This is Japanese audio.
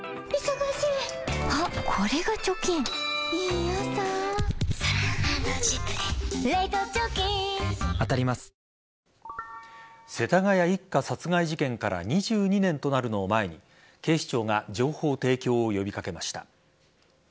ニュースの冒頭でもお伝えしたとおり世田谷一家殺害事件から２２年となるのを前に警視庁が情報提供を呼び掛けました。